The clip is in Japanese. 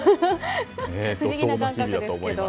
不思議な感覚です。